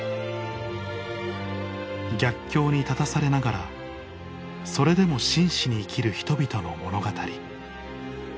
逆境に立たされながらそれでも真摯に生きる人々の物語